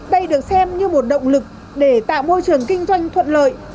đây được xem như một động lực để tạo môi trường kinh doanh thuận lợi